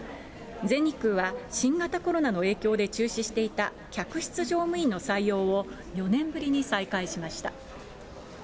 全日空は新型コロナの影響で中止していた客室乗務員の採用を、４年ぶりに再開しました。